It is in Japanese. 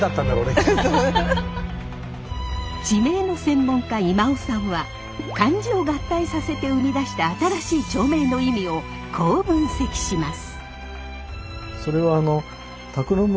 地名の専門家今尾さんは漢字を合体させて生み出した新しい町名の意味をこう分析します。